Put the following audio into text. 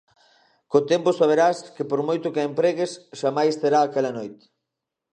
Co tempo saberás que por moito que a empregues xamais será aquela noite.